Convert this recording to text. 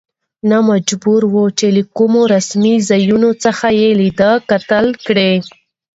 نو مجبور و، چې له کومو رسمي ځايونو څخه يې ليده کاته کړي.